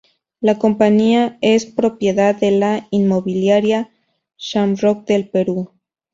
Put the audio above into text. La compañía es propiedad de la inmobiliaria Shamrock del Perú.